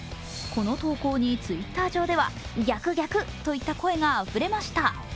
この投稿に、Ｔｗｉｔｔｅｒ上では、「逆！逆！」といった声があふれました。